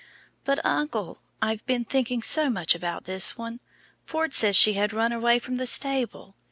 "But, uncle, I've been thinking so much about this one. Ford says she had run away from the stable.